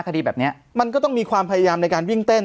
คดีแบบนี้มันก็ต้องมีความพยายามในการวิ่งเต้น